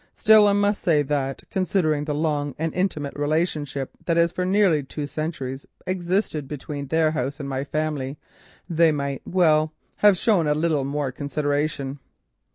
Still, I must say that, considering the long and intimate relationship that has for nearly two centuries existed between their house and my family, they might—well—have shown a little more consideration."